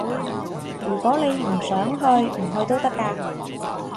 如果你唔想去，唔去都得㗎